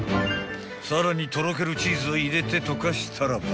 ［さらにとろけるチーズを入れて溶かしたらば］